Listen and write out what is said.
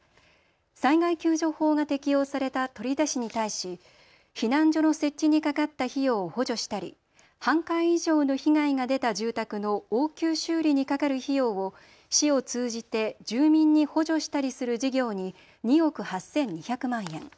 災害救助法が適用された取手市に対し避難所の設置にかかった費用を補助したり半壊以上の被害が出た住宅の応急修理にかかる費用を市を通じて住民に補助したりする事業に２億８２００万円。